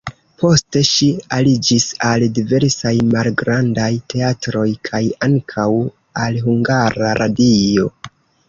Poste ŝi aliĝis al diversaj malgrandaj teatroj kaj ankaŭ al Hungara Radio.